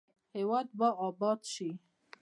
هیواد به اباد شي؟